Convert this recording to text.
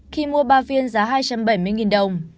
khi mua ba viên giá hai trăm bảy mươi đồng